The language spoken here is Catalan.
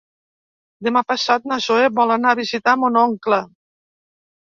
Demà passat na Zoè vol anar a visitar mon oncle.